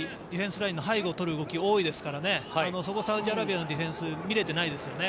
ディフェンスラインの背後をとる動きが多いですからそこ、サウジアラビアのディフェンスは見れてないです。